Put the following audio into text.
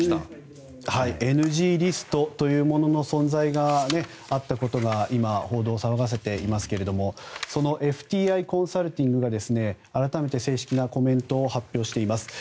ＮＧリストというものの存在があったことが今、報道を騒がせていますけどもそのＦＴＩコンサルティングが改めて正式なコメントを発表しています。